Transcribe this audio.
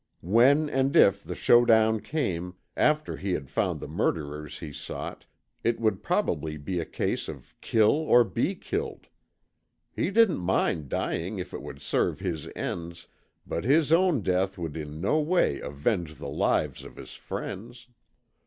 When and if the showdown came, after he had found the murderers he sought, it would probably be a case of kill or be killed. He didn't mind dying if it would serve his ends, but his own death would in no way avenge the lives of his friends.